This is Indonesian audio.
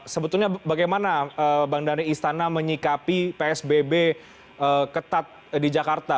sebetulnya bagaimana bang dhani istana menyikapi psbb ketat di jakarta